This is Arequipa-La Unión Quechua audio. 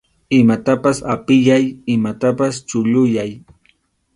Imatapas apiyay, imatapas chulluyay.